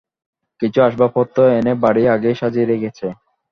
কিছু আসবাবপত্র এনে বাড়ি আগেই সাজিয়ে রেখেছে।